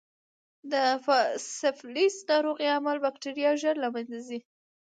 د سفلیس ناروغۍ عامل بکټریا ژر له منځه ځي.